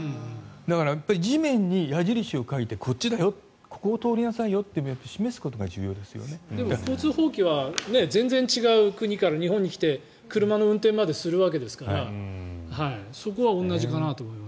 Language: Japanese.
だから、地面に矢印を書いてここを通りなさいよと交通法規が全然違う国から日本に来て車の運転までするわけですからそこは同じかなと思います。